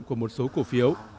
của một số cổ phiếu